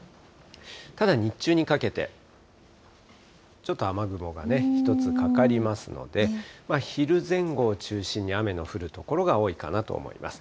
ただ日中にかけて、ちょっと雨雲がね、１つかかりますので、昼前後を中心に雨の降る所が多いかなと思います。